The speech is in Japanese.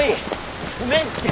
ごめんって！